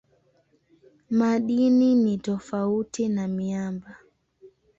Madini ni tofauti na miamba.